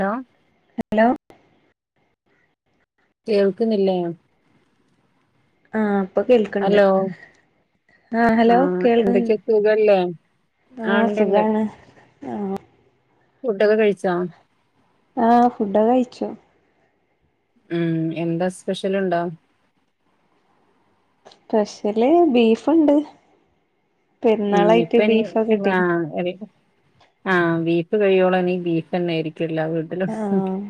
Hello hello കേൾക്കുന്നില്ലേ? ആഹ് ഇപ്പൊ കേൾക്കണ്ട് ഹലോ ആഹ് ഹലോ കേൾക്കു എന്തൊക്കെയ സുഖല്ലേ ആഹ് സുഖാണ് ആഹ് ഫുഡൊക്കെ കഴിച്ചാ? ആഹ് ഫുഡൊക്കെ കഴിച്ചു. ഉം എന്താ സ്പെഷ്യലിണ്ടോ? സ്പെഷ്യല് ബീഫുണ്ട്. ഉം ഇപ്പനി ബീഫൊക്കെ കിട്ടീണ് ആഹ് എറി ആഹ് ബീഫ് കഴിയോളനി ബീഫെന്നൊയിരിക്കും എല്ലാ വീട്ടിലും. ആഹ്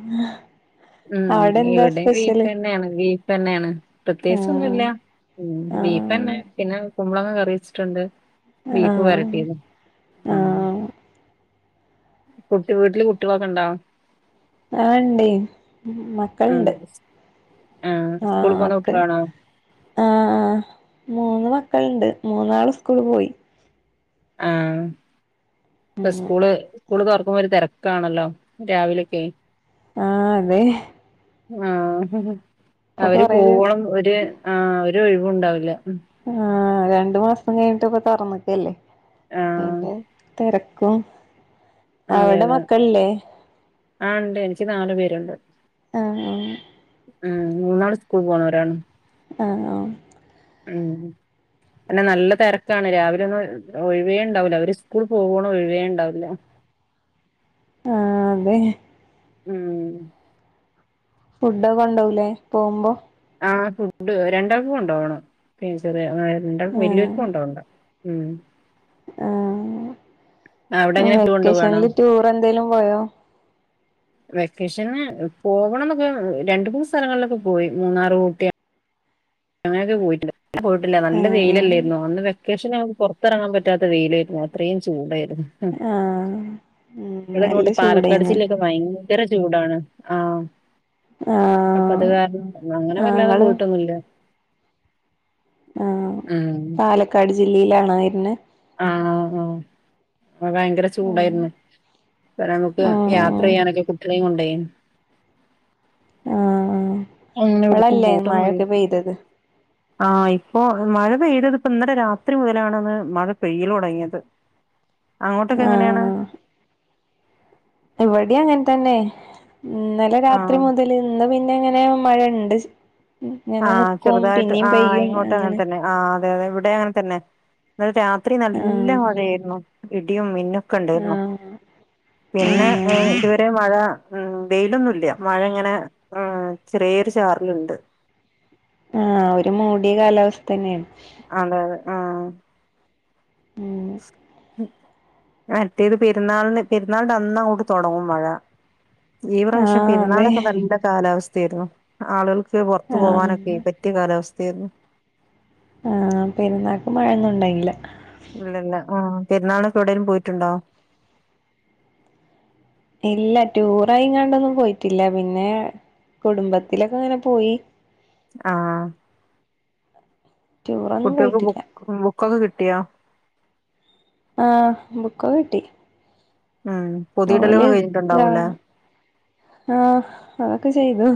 ഉം അവിടെ എന്താ ഇവിടിം സ്പെഷ്യല് ബീഫെന്നെണ് ബീഫെന്നെണ് പ്രത്യേകിച്ചൊന്നുല്ല. ആഹ് ഉം ആഹ് ബീഫെന്നെ പിന്നെ കുമ്പളങ്ങ കറി വെച്ചിട്ടുണ്ട് ബീഫ് ആഹ് വരട്ടിയതും. ഉം ആഹ് കുട്ടി വീട്ടില് കുട്ടിളൊക്കെ ഉണ്ടോ ആഹ് ഇണ്ടെയ് ആഹ് ആഹ് സ്കൂൾ പോകുന്ന കുട്ടികളാണോ? ആഹ് മൂന്ന് മക്കളുണ്ട് മൂന്നാള് സ്കൂൾ പോയി. ആഹ് ഇപ്പ സ്കൂള് സ്കൂൾ തൊറക്കുമ്പോ ഒരു തെരക്കാണല്ലോ രാവിലൊക്കെയ് ആഹ് അതെ ആഹ് ഇപ്പൊ അവര് കൊറേ ദിവസം പോവോളം ഒര് ആഹ് ഒരൊഴിവും ഉണ്ടാവില്ല ആഹ് രണ്ടു മാസം കഴിഞ്ഞിട്ട് ഇപ്പം തൊറന്നെക്കല്ലേ അപ്പം ആഹ് അയിന്റെ തെരക്കും അവിടെ അതെയതെ മക്കളില്ലേ ആഹ് ഇണ്ട് എനിക്ക് നാലുപേരുണ്ട്. ആണോ ഉം മൂന്നാള് സ്കൂളിൽ പോണവരാണ്. ആണോ ഉം അതതന്നെ നല്ല തെരക്കാണ് രാവിലെ ഒന്നും ഒഴിവേണ്ടാവുല്ല അവര് സ്കൂൾ പോകോളം ഒഴിവേ ഉണ്ടാവില്ല. ആഹ് അതെ ഉം ഫുഡ് കൊണ്ടുപോവില്ലേ പോകുമ്പോ ആഹ് ഫുഡ് രണ്ടാൾക്ക് കൊണ്ടുപോകണം ടീച്ചറേ ആ രണ്ട് ആ വല്ലിയോർക്ക് കൊണ്ടുപോവണ്ട ഉം അവിടെ ആഹ് എങ്ങനെ ഫുഡ് കൊണ്ടോവാണോ വെക്കോഷണിൽ ടൂർ എന്തേലും പോയോ? വെക്കേഷന് പോവണന്നൊക്ക രണ്ട് മൂന്ന് സ്ഥലങ്ങളിലെക്ക പോയി മൂന്നാറ്, ഊട്ടി അ ങ്ങനൊക്ക പോയിട്ടിണ്ട് പിന്നെ പോയിട്ടില്ല ആ നല്ല ആ വെയിലാരുന്നോ അന്ന് വെ ക്കേഷന് ആയപ്പോൾ പൊറത്തിറങ്ങാൻ പറ്റാത്ത വെയിലാരുന്നു അത്രയും ചൂടായിരുന്നു. ഹും ആ ഉം ഇവ്ടെ നല്ല അങ്ങോട്ട് പാലക്കാട് ചൂടേന്ന് ജില്ലയൊക്കെ ഭയങ്ക ര ചൂടാണ് ആഹ് ആ അപ്പ അത് കാരണം അങ്ങനെ ആ വല്ലാതെ ഇങ്ങള് പോയ്ട്ടൊന്നുയില്ല ആഹ് ഉം പാലക്കാട് ജില്ലയിലാണോ വെറുന്നേ ആഹ് ആഹ് ആ ഭയങ്കര ചൂടായിരുന്നു അന്നരം നമുക്ക് ആ യാത്ര ആ ചെയ്യാനെക്കെ കുട്ടിനെ കൊണ്ടേ ആഹ് ആ അങ്ങനെ എവിടുക്കും ഇപ്പളല്ലേ പോയിട്ടൊന്നുല്ല മഴയൊക്ക പെയ്തത് ആഹ് ഇപ്പോ മഴ പെയ്തത് ഇപ്പം ഇന്നലെ രാത്രി മുതലാണെന്ന് മഴ പെയ്യല് തൊടങ്ങിയത് അങ്ങോട്ടൊക്കെ എങ്ങനെയാണ് ഇവിടേം അങ്ങനെ തന്നെ ഇന്നലെ രാത്രി ആഹ് മുതൽ ഇന്ന് പിന്നെ ഇങ്ങനെ മഴണ്ട്‌ ആഹ് ചെറുതായിട്ട് ആഹ് ഇങ്ങോട്ടും അങ്ങനെ തന്നെ ആഹ് അതെ അതെ ഇവിടെ അങ്ങനെ തന്നെ ഇന്നലെ രാത്രി നല്ല ആഹ് മഴയാരുന്നു ഇടിയും മിന്നും ക്കണ്ടാരുന്നു ആഹ് പിന്നെ ആ ഇ ആഹ് ഇതുവരെ മഴ ഉം വെയ്ലൊന്നുല്ല മഴ ഇങ്ങനെ ഉം ചെറിയൊരു ചാറൽ ഉണ്ട്‌ ആഹ് ഒരു മൂടിയ കാലാവസ്ഥ തന്നെയാണ്. അതെ അതെ ആഹ് ഉം മറ്റേത് പെരുന്നാളിന് പെരുന്നാളിന്റ അന്ന് അങ്ങോട്ട് തൊടങ്ങും മഴ ഈ പ്രാവശം ആഹ് അതെ പെരുന്നാലെക്ക നല്ല കാലാവസ്ഥ ആരുന്നു ആളുകൾക്ക് പൊറത്ത് ആഹ് പോവാനെക്കെയെ പറ്റിയ കാലാവസ്ഥ ആരുന്നു ആഹ് പിന്നെ നാക്ക്‌ മഴയൊന്നും ഉണ്ടായ്ന്നില്ല ഇല്ല ഇല്ല ആഹ് പെരുന്നാള് ഇപ്പം എവിടെലും പോയിട്ടുണ്ടോ ഇല്ല ടൂറായിങ്ങാണ്ടൊന്നും പോയ്ട്ടില്ല പിന്നെ കുടുംബത്തിലെക്ക ഇങ്ങനെ പോയി ആഹ് ടൂറൊന്നും കുട്ടികൾക്ക് പോയിട്ടില്ല ബുക്ക് ബുക്കൊക്കെ കിട്ടിയാ ആഹ് ബുക്കോ കിട്ടി ഉം പൊതി ഓല് ഇടലൊക്കെ കഴിഞ്ഞിട്ട് ഗ ഉണ്ടാവും അല്ലേ ആഹ് അതൊക്ക ചെയ്തു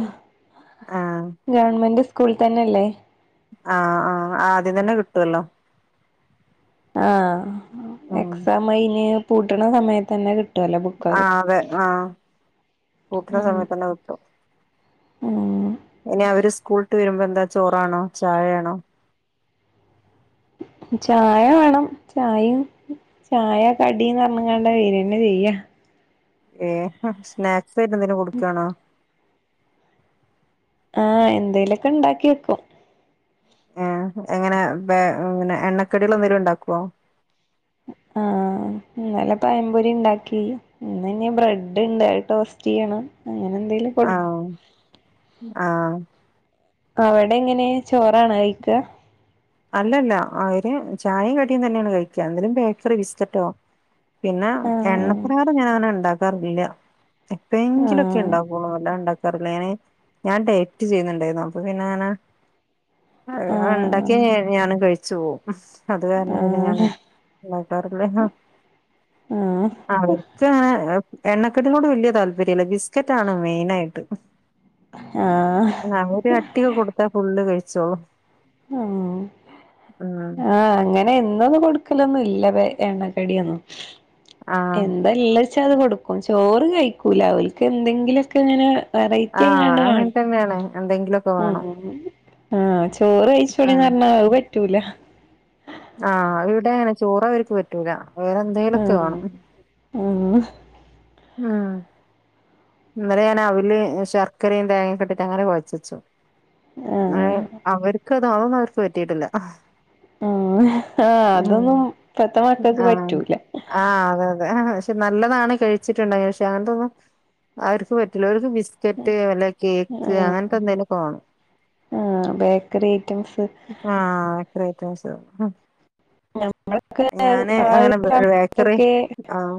ആഹ് ഗവൺമെന്റ് സ്കൂളിത്തന്നെ അല്ലേ ആഹ് അഹ് ആദ്യം തന്നെ കിട്ട് വല്ലോ ആഹ് ഉം എക്സാം കയ്ഞ്ഞ് പൂട്ടണ സമയത്തന്നെ കിട്ട് ആഹ് അതെ ആഹ് പൂട്ടണ ഉം സമയ്ത്തന്ന കിട്ടും ഉം ഇനി അവര് സ്കൂൾട്ട് വരുമ്പ എന്താ ചോറാണോ ചായയാണോ ചായ വേണം ചായേം ചായ കടീന്ന് പറഞ്ഞ്കാണ്ട വേര്ന്ന ചെയ്യാ ഏഹ് ഹും സ്നാക്സ് ആയിട്ട് എന്തേലും കൊട്ക്കുവാണോ ആഹ് എന്തേലെക്ക ഇണ്ടാക്കി വെക്കും ഏഹ് എങ്ങനെ ബേ എണ്ണക്കടികള് എന്തേലും ഉണ്ടാക്കോ അ ആഹ് ഇന്നലെ പയംപൊരി ഉണ്ടാക്കി ഇന്ന് ഇനി ബ്രെഡ് ഇണ്ട് അത് ടോസ്റ്റ് ചെയ്യണം അങ്ങന എന്തേലും കൊടുക്കും ആഹ് ആഹ് അവിടെങ്ങനെ ചോറാണ് കഴിക്കുക അല്ലല്ല അവര് ചായയും കടിയും തന്നെയാണ് കഴിക്കുക എന്തേലും ബേക്കറി ബിസ്ക്കറ്റോ പിന്നെ ആഹ് എണ്ണക്കാര ഞാൻങ്ങനെ ഉണ്ടാക്കാറില്ല ഇപ്പ എങ്കിലുംക്കെ ആഹ് ഉണ്ടാകൊള്ളു അല്ലണ്ട ഞാൻ ഡറ്റ് ചെയ്യുന്നുണ്ടായിരുന്നു അപ്പ പിന്നെങ്ങനണ്ട ഒക്ക ആഹ് ഞാൻ കഴിച്ചു പോകും അത് കാരണം ഇനെ ഞാൻ ആഹ് ഉണ്ടാക്കാറില്ല ആഹ് അവർക്ക് എണ്ണക്കെട്ടിനോട് വല്യയ താല്പര്യല്ല ബിസ്ക്കറ്റ്ണ് മെയിൻ ആയിട്ട് [inaudible] ആഹ് ങ്ങൊര് അട്ടിയ കൊടുത്ത ഫുള്ള് കഴിച്ചോള ആ ഉം ആഹ് അങ്ങനെ എന്നും കൊടുക്കലൊന്നും ഇല്ല എണ്ണക്കടിയൊന്നും ആഹ് എന്തെല്ലാ വച്ചാ അത് കൊടുക്കും ചോറ് കഴിക്കൂല അവൾക്ക് എന്തെങ്കിലുംഒക്കെ ഇങ്ങനെ വെറൈറ്റി ആഹ് ങ്ങാണ്ട് അങ്ങനെ വേണം തന്നെയാണ് എന്തെങ്കിലുമൊക്കെ ഉ വേണം ആഹ് ചോറ് കഴിച്ചോളന്ന് ഉം പറഞ്ഞാ അത് പറ്റൂല ആഹ് ഇവിടെ അങ്ങനെ ചോറ് അവർക്ക് പറ്റൂല വേറെ എന്ത് ആഹ് ആഹ് ആഹ് ഇന്നലെ ഞാൻ അവിൽ ശർക്കരയും തേങ്ങയും കെട്ടിട്ട് അങ്ങനെ കൊഴച്ചു വെച്ചു ആഹ് ഏർ അവർക്ക് അതാണൊന്നും അവർക്ക് പറ്റിട്ടില്ല ഉ ആ് അതൊന്നും ഇപ്പത്തെ മക്കൾക്ക് ആഹ് പറ്റൂല ആഹ് അതെ അതെ ആ പക്ഷെ നല്ലതാണ് കഴിച്ച വച്ചിട്ടുണ്ട പക്ഷെ അങ്ങനത്തെന്നും അവർക്ക് പറ്റില്ല അവർക്ക് കെറ്റ് അല്ല കേക്ക് അങ്ങനത്തെ എന്തേങ്കിലും കോണം ആ ബേക്കറി ഐറ്റംസ് [unintelligible] ഞമ്മളൊക്കെ ഞാന് ആ ഒരു അങ്ങനെ ബേക്കറി സമയത്തൊക്കെ ആഹ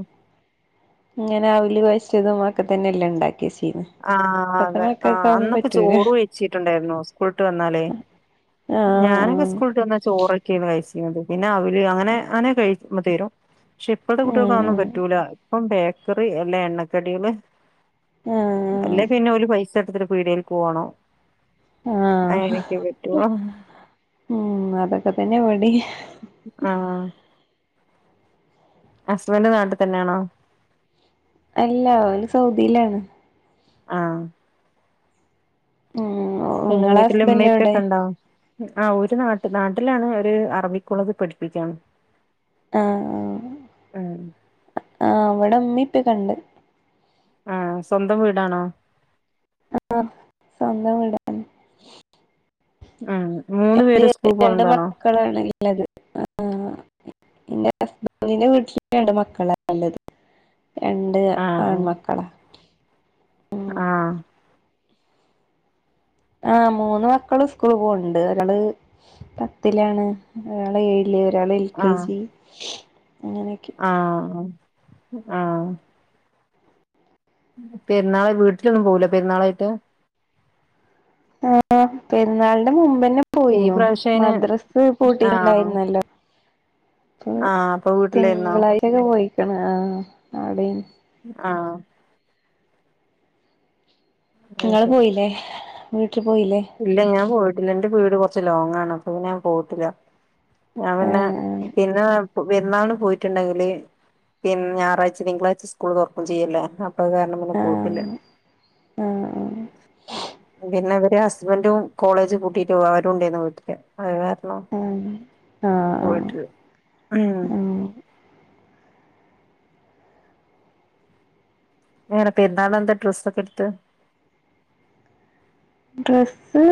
ഇങ്ങനെ അവില് കോയച്ചതും അഹഒക്കെ തന്നെല്ല ഇണ്ടാക്കി കിസിനി ആഹ അതെ ആഹ് അന്നൊക്കെ ചോറ് വേഴിച്ചിട്ടുണ്ടായിരുന്നു സ്കൂളിട്ട് വന്നാലേ ഞാനൊക്കെ ആഹ് സ്കൂളിട്ട് വന്നാ ചോറൊക്കെയാണ് കഴിച്ചിന്നത് പിന്നെ അവല് അങ്ങനെ അങ്ങനെ കഴിക്കുമ്പ തരും പക്ഷെ ഇപ്പഴത്തെ കുട്ടികൾക്ക് അഹേന്നും ആഹ് പറ്റൂല ഇപ്പം ബേക്കറി അല്ല എണ്ണക്കടികള് ആഹ് അല്ലേ പിന്നെ ഓല് പൈസ എടുത്തിട്ട് പിടിയെൽക്ക് പോവണം ആഹ് ഉ അതൊക്കെ തന്നെ ഇവിടിം ആഹ് ഹുസ്ബന്റ് നാട്ടിൽ തന്നെയാണോ അല്ല അവന് സൗദിയിലാണ് ആഹ് ഉം പിന്നെ ഇങ്ങളെ വീട്ടില് ഇമ്മി ഹസ്ബൻഡ് എവിടെ ഇപ്പൊക്കെ ഇണ്ട ആ ഒര് നാട്ട നാട്ടിലാണ് ഒരു അറബി കോളേജ് പഠിപ്പിക്കയാണ് ആഹ ഉം ആഹ ആഹ ഇവിടെ ഇമ്മി ഇപ്പ കണ്ട് ആ സ്വന്തം വീടാണോ ആഹ സ്വന്തം വീട ഉം മൂന്ന് പേര് സ്കൂൾ പോവതാണോ [unintelligible] ഇള്ളത് ആ എന്റെ ഹസ്ബിന്റെ വീട്ടില് രണ്ട് മക്കള ഇള്ളത് രണ്ട് ആ ആൺമക്കളാ ആഹ് ആഹ മൂന്ന് മക്കള് സ്കൂൾ പോണ്ട് ഒരാള് പത്തിലാണ് ഒരാള് ഏഴില് ഒരാൾ എൽ കെ ജി അങ്ങനെയൊക്കെ ആഹണെ ആഹ പെരുന്നാളെ വീട്ടിലൊന്നും പോവൂല്ല പെർന്നാളായിട്ട് ഹെ പെരുന്നാളിന്റെ മുമ്പന്നെ ഈ പോയിനു പ്രാവശ്യം അയിന് മദ്രാസ് ആ പൂട്ടിട്ടുണ്ടായിരുന്നല്ലോ അപ്പൊ ആ അപ്പൊ വീട്ടിലായിരുന്നോ? തിങ്കളാഴ്ചൊക്കെ പോയിക്കണ ആഹ അട ആണെ അത് നിങ്ങള് ശരി പോയില്ലേ വീട്ടിൽ പോയില്ലേ ഇല്ല ഞാൻ പോയിട്ടില്ല ഇന്റെ വീട് കുറച്ച് ലോങ്ങ ആണ് അപ്പൊ പിന്നെ ഞാൻ പോയിട്ടില്ല ഞാൻ പിന്നെ ആഹ് പിന്നെ പെരുന്നാളിന് പോയിട്ടുണ്ടെങ്കില് പിന്നെ ഞായറാഴ്ച തിങ്കളാഴ്ച സ്കൂൾ തുറകയും ചെയ്യല്ല അപ്പ അഹ് കാരണം പിന്നെ പോയിട്ടില്ല ആഹ് ആഹ് പിന്നെ അവര് ഹസ് ഹസ്ബൻറും കോളേജ് പൂട്ടിട്ട് അവരും ഉണ്ടാരുന്നു വീട്ടില് അഹ് കാരണം ഉം ആഹ് പോയിട്ട് ഉം ആഹ് നിങ്ങൾ എന്താ പെരുന്നാളിന് എന്താ ഡ്രസ്സ ഒക്കെ ഇടുത്ത് ഡ്രസ്സ്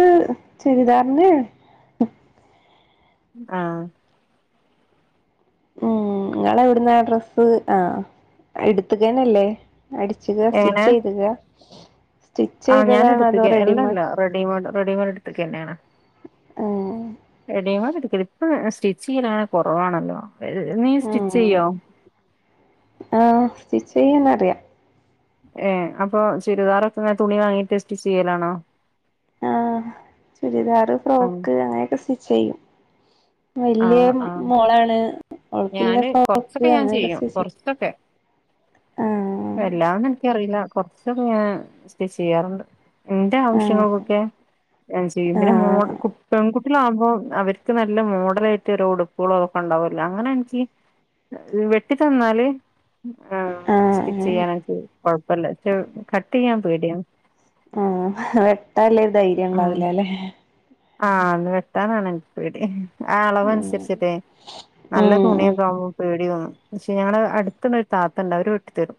ചുരിദാറന്നെ ആഹ് ഉം നിങ്ങള എവിടുന്ന ഡ്രസ്സ് ആ എടുത്തുകേനല്ലേ അടിച്ചുക സ്റ്റിച്ച് ചെയ്തുക സ്റ്റിച്ച് ആ ഞാന ചെയ്തതാണോ അതോ എടുത്തക്ക എല്ലല്ല റെഡിമേഡ് റെഡിമെയഡ് റെഡിമെയ്ഡ് എടുത്തക്ക തന്നെയാണ് ഹെ റെഡിമെയ്ഡ് എടുക്കാല് ഇപ്പ സ്റ്റിച്ച് ചെയ്യല അങ്ങനെ കുറവാണല്ലോ നീ സ്റ്റിച്ച് ഉം ചെയ്യോ ആഹ് സ്റ്റിച്ച് ചെയ്യാനറിയ ഏഹ് അപ്പൊ ചുരിദാൊക്കെ ഇങ്ങെനെ തുണി വാങ്ങീട്ട് സ്റ്റിച്ച് ചെയ്യലാണൊ. ആഹ് ചുരിദാർ ആഹ് ഫ്രോക്ക് അങ്ങനെയൊക്കെ സ്റ്റിച്ച് ചെയ്യും. വല്യ ആഹ് ആഹ്. മോളാണ് ഓൾക്കില്ല ഞാന് ഫ്രോക്ക് കൊറ്ച്ചൊക്കെ ഞാൻ അങ്ങനെയൊക്കെ ചെയ്യും. സ്റ്റിച്ച് കൊറ്ച്ചൊക്കെ ആഹ് വെല്ലാംന്നുൻക്കറീല്ല. കൊറ്ചൊക്കെ ഞാൻ സ്റ്റിചെയ്യാറുണ്ട്. ഇന്റെ ആഹ് ആവശ്യങ്ങൾക്കൊക്കെ ഞാ ചെയ്യും. പിന്നെ മോള് ആഹ് കു പെൺകുട്ടിളാകുമ്പോം അവർക്ക് നല്ല മോ കലായിട്ട് ഉടുപ്പുകളോ അതൊക്കെ ഉണ്ടാവൊല്ല. അങ്ങനാൻച്ചങ്കി. വെട്ടി തന്നാല്. ആ സ്റ്റിച്ച് ആഹ് ചെയ്യാനൻക്ക് കൊഴപ്പല്ല. കട്ട് ചെയ്യാൻ പേട്യ ആഹ് വെട്ടാല്ല ഒരു ധൈര്യം ഉം ഇണ്ടാവുലല്ലെ. ആഹ് അത് വെട്ടാനാണ് എൻക്ക് പേടി. ആ അളവ് ഉം അൻസരിച്ച്ട്ടെ നല്ല ഉം ഉം തുണിയൊക്കെ ആകുമ്പോ പേടി തോന്നും. പക്ഷെ ഞങ്ങളെ അടുത്തെന്ന ഒരു താത്തണ്ട്. അവര് വെട്ടിത്തരും.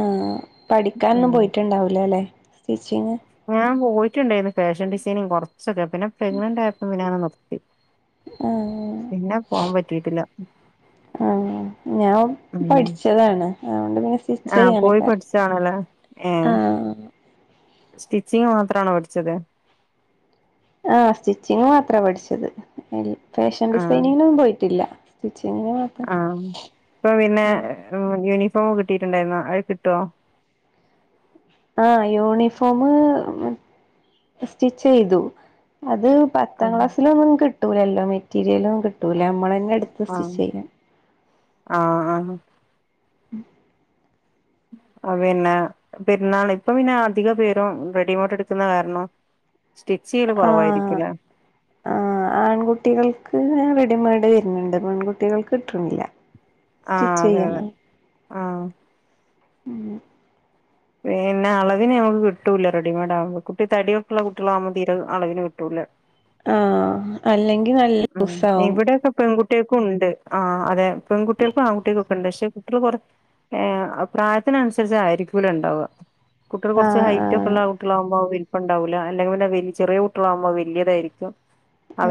ആഹ് പഠിക്കാനൊന്നും പോയിട്ടുണ്ടാവൂലലേ സ്റ്റിച്ചിങ്. ഞാൻ പോയിട്ടുണ്ടായിന്ന് ഫാഷൻ ഡിസൈനിങ് കൊറ്ച്ചൊക്കെ. പിന്നെ പ്രെഗ്നന്റ് ആയപ്പം അങ്ങനെ നിർത്തി. ഏഹ്. പിന്നെ പോവാൻ പറ്റീട്ടില്ല. ഏഹ്. ഞാൻ ഉം പഠിച്ചതാണ്. അതോണ്ട് പിന്നെ സ്വിച്ച് ആഹ് പോയി ചെയ്യാനൊക്കറ്യ പഠിച്ചാണല്ലേ ഏഹ് ആഹ് സ്റ്റിച്ചിങ് മാത്രാണോ പഠിച്ചത്. ആഹ് സ്റ്റിച്ചിങ് മാത്ര പഠിച്ചത്. ഫാഷൻ ആഹ് ഡിസൈനിങ്ങിനൊന്നും പോയിട്ടില്ല. സ്റ്റിച്ചിങ്ങ [unintelligible] ആ ആഹ് ഇപ്പൊ പിന്നെ യൂണിഫോം കിട്ടിയിട്ടുണ്ടായിരുന്നോ അഹ് കിട്ടൊ. ആഹ് യൂണിഫോമ് സ്റ്റിച്ച് ചെയ്തു അത്. പത്താം ആഹ് ക്ലാസ്സിലൊന്നും കിട്ടൂലല്ലോ മെറ്റീരിയലും കിട്ടൂല നമ്മളെ ആഹ് ആ. ആഹ് ആന്ന് ഉം അ പിന്നെ പെര്ന്നാളെ. ഇപ്പം പിന്നെ അധിക പേരും റെഡിമയ്ഡ് എട്ക്ക്ണ കാരണം. സ്റ്റിച്ചെയ്യല് കൊറവായിരിക്കുലെ. ആഹ് ആഹ് ആൺകുട്ടികൾക്ക് വേം റെഡിമെയ്ഡ് വര്ണ്ണ്ട്. പെൺകുട്ടികൾക്ക് കിട്ട്ണില്ല. ആഹ് അതെ അതെ ആഹ് ഉം പിന്നെ അളവിന് ഞമ്മക്ക് കിട്ടുല്ല റെഡിമേഢാവുമ്പം കുട്ടി തടിയൊക്കെള്ള കുട്ടിളാവുമ്പോ തീരെ അളവിന് കിട്ടൂല്ല ആഹ് അല്ലെങ്കി നൽ ഉം ഇവിടെയൊക്കെ പെങ്കുട്ടിയേക്കും ഇണ്ട്. ആഹ് അതെ പെങ്കുട്ടിയേക്കും ആങ്കുട്ടിയേക്കു ണ്ട് പഷെ കുട്ടി മേയ് കുറ് പ്രായത്തിനനുസരിച്ച് ആയിരിക്കൂല ഇണ്ടാവ കുട്ട്യേള് കൊർച്ച് ആഹ് ഹൈറ്റൊ ആഹ് ക്കെള്ള കുട്ടിളാഉമ്പം അയ് വൽപ്പണ്ടാവൂല. അല്ലെ ങ്കി പിന്നെ വൽജി ചെറിയേ കുട്ടിളാഉമ്പം അഹ് വല്ല്യതായിരിക്കും..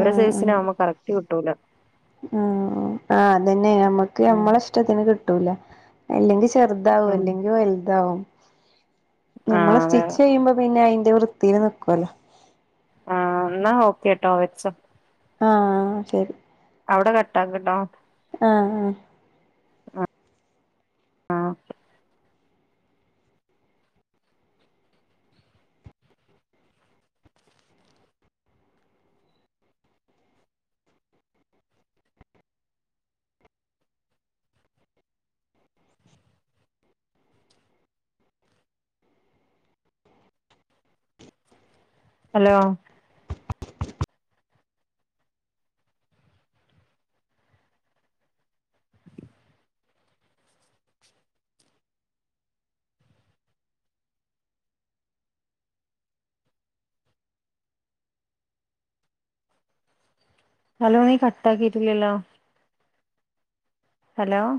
ആഹ് സൈസ് ആഹ് ആഹ് അതെന്നെ നമ്മക്ക് ഉം നമ്മളെ ഇഷ് ടത്തിന് കിട്ടൂല. അല്ലെങ്കി ചെർതാവും ഉം അല്ലെങ്കി വൽതാവും. ആ നമ്മള് അതെ സ്റ്റിച്ചെയ്യുമ്പോ പിന്നെ അയിന്റെ വൃത്തീല് നിക്കൊല്ലൊ. ആഹ് ഇന്നാ ഓക്കെട്ടോ വെച്ചോ ആഹ് ശരി അവ്ടെ കട്ടാക്ക്ട്ടോ ആഹ് ആഹ് ആഹ് ഹലോ [inaudible] ഹലോ നീ കട്ടാ കിട്ടില്ലല്ലോ ഹലോ